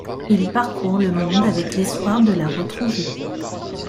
Il parcourt le monde avec l'espoir de la retrouver.